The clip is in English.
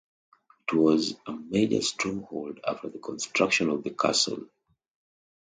It was a major stronghold after the construction of the castle.